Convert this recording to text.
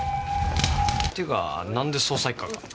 っていうかなんで捜査一課が？